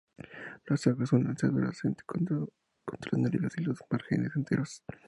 Las hojas son lanceoladas con tres nervios y los márgenes enteros.